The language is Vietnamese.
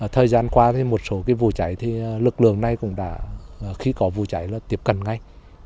thời gian qua thì một số vụ cháy thì lực lượng này cũng đã khi có vụ cháy là tiếp cận ngay